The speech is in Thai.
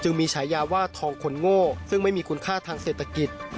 มีฉายาว่าทองคนโง่ซึ่งไม่มีคุณค่าทางเศรษฐกิจ